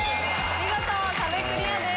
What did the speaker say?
見事壁クリアです。